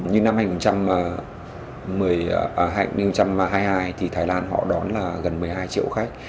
như năm hai nghìn hai mươi hai thì thái lan họ đón là gần một mươi hai triệu khách